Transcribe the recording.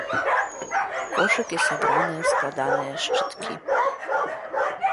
Кошыкі сабраны ў складаныя шчыткі.